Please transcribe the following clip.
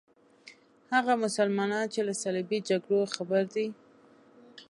هغه مسلمانان چې له صلیبي جګړو خبر دي.